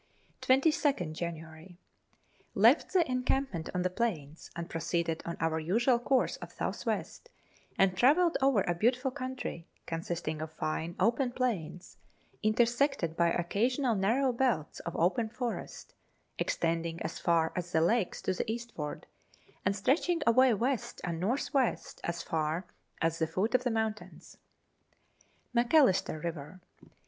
22nd January. Left the encampment on the plains, and pro ceeded on our usual course of south west, and travelled over a beautiful country, consisting of fine, open plains, intersected by occasional narrow belts of open forest, extending as far as the lakes to the eastward and stretching away west and north west as far as the foot of the mountains. Macalister River.